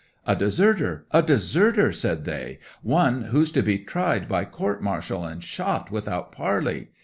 '"A deserter—a deserter!" said they. "One who's to be tried by court martial and shot without parley.